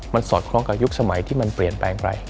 มันสอดคล้องกับยุคสมัยที่มันเปลี่ยนแปลงไป